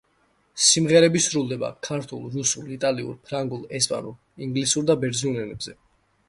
სიმღერები სრულდება: ქართულ, რუსულ, იტალიურ, ფრანგულ, ესპანურ, ინგლისურ და ბერძნულ ენებზე.